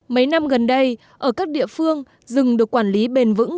mấy năm gần đây ở các địa phương rừng được quản lý bền vững